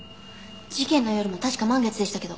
事件の夜も確か満月でしたけど。